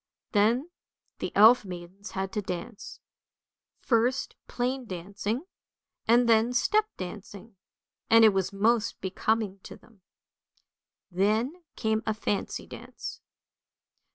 Then the elf maidens had to dance, first plain dancing, and then step dancing, and it was most becoming to them. Then came a fancy dance.